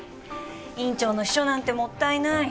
院長の秘書なんてもったいない。